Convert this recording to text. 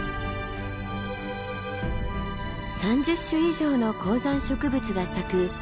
３０種以上の高山植物が咲く